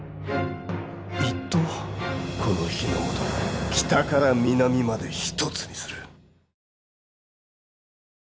この日ノ本を北から南まで一つにする。